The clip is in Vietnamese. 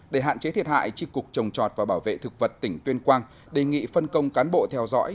để hạn chế thiệt hại tri cục trồng chọt và bảo vệ thực vật tỉnh tuyên quang đề nghị phân công cán bộ theo dõi